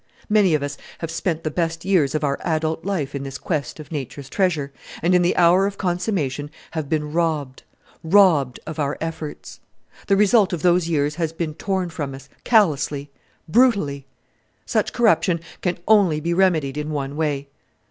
Many of us have spent the best years of our adult life in this quest of nature's treasure, and in the hour of consummation have been robbed robbed of our efforts. The result of those years has been torn from us, callously, brutally. Such corruption can only be remedied in one way.